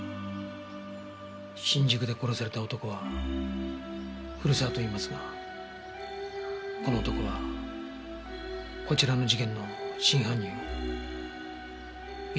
新宿で殺された男は古沢といいますがこの男はこちらの事件の真犯人を強請っていたようです。